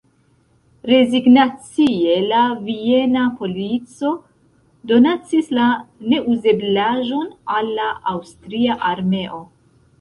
Rezignacie la viena polico donacis la neuzeblaĵon al la aŭstria armeo.